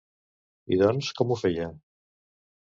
I doncs, com ho feia?